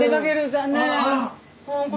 残念。